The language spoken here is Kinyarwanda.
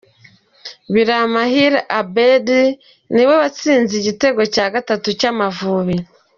Biramahire Abeddy niwe watsinze igitego cya gatatu cy'Amavubi .